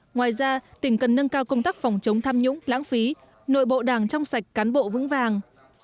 ngoài ra tỉnh cần nâng cao công tác phòng chống tham nhũng lãng phí nội bộ đảng trong sạch cán bộ vững vàng